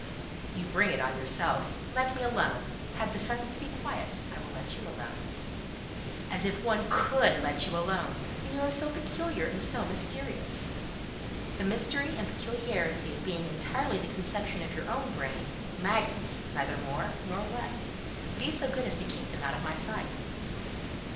"You bring it on yourself: let me alone: have the sense to be quiet: I will let you alone." "As if one could let you alone, when you are so peculiar and so mysterious!" "The mystery and peculiarity being entirely the conception of your own brain—maggots—neither more nor less, be so good as to keep them out of my sight."